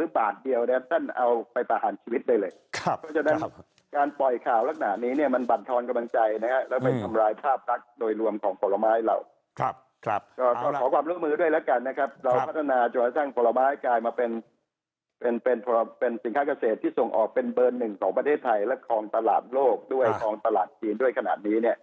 ก็ขอความร่วมมือด้วยแล้วกันนะครับเราพัฒนาจุดสร้างผลไม้กลายมาเป็นสินค้ากเศษที่ส่งออกเป็นเบอร์หนึ่งของประเทศไทยและคลองตลาดโลกด้วยคลองตลาดจีนด้วยขนาดนี้เนี่ย